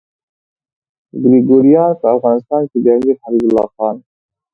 ګریګوریان په افغانستان کې د امیر حبیب الله خان.